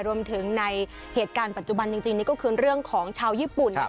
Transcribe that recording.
รวมถึงในเหตุการณ์ปัจจุบันจริงนี่ก็คือเรื่องของชาวญี่ปุ่น